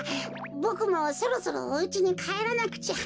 ボクもそろそろおうちにかえらなくちゃ。